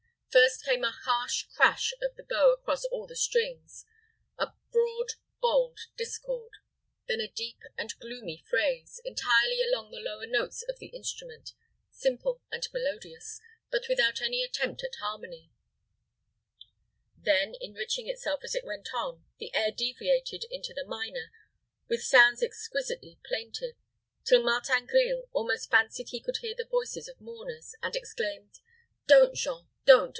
First came a harsh crash of the bow across all the strings a broad, bold discord; then a deep and gloomy phrase, entirely among the lower notes of the instrument, simple and melodious, but without any attempt at harmony; then, enriching itself as it went on, the air deviated into the minor, with sounds exquisitely plaintive, till Martin Grille almost fancied he could hear the voices of mourners, and exclaimed, "Don't Jean! don't!